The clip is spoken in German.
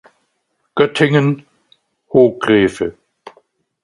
Göttingen: Hogrefe.